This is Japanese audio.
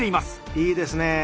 いいですね。